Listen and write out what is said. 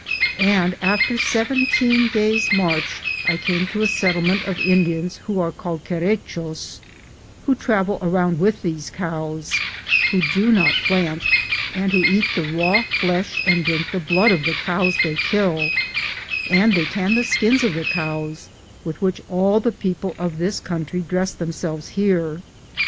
And after seventeen days' march I came to a set tlement of Indians who are called Querechos, who travel around with these cows, who do not plant, and who eat the raw flesh and drink the blood of the cows they kill, and they tan the skins of the cows, with which all the people of this country dress them selves here.